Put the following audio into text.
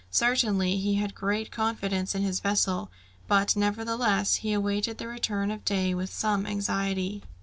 Certainly, he had great confidence in his vessel, but nevertheless he awaited the return of day with some anxiety.